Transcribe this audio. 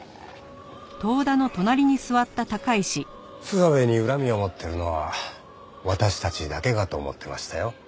諏訪部に恨みを持ってるのは私たちだけかと思ってましたよ。